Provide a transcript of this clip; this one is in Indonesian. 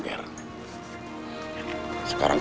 yang lebih terbaik